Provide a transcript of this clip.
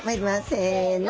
せの。